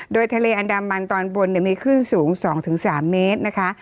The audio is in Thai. โดยทะเลอันดามันตอนบนเนี่ยมีขึ้นสูง๒๓เมตรนะคะ